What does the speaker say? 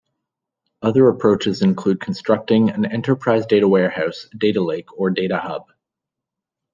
Other approaches include constructing an Enterprise data warehouse, Data lake, or Data hub.